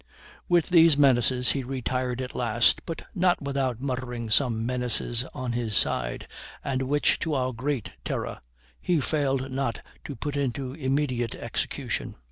With these menaces he retired at last, but not without muttering some menaces on his side, and which, to our great terror, he failed not to put into immediate execution.